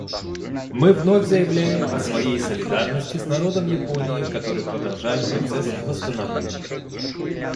Мы вновь заявляем о своей солидарности с народом Японии, который продолжает процесс восстановления.